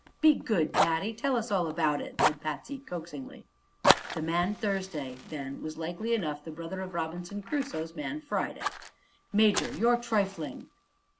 "Be good, Daddy! Tell us all about it," said Patsy coaxingly. "The man Thursday, then, was likely enough the brother of Robinson Crusoe's man Friday." "Major, you're trifling!"